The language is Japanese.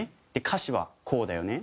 「歌詞はこうだよね」